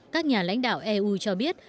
các nhà lãnh đạo eu cho biết